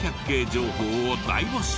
情報を大募集。